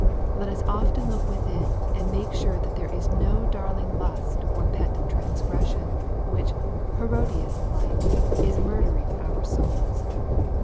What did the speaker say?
Let us often look within, and make sure that there is no darling lust or pet transgression, which, Herodias like, is murdering our souls.